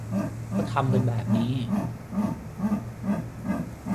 ก็ทำกันแบบนี้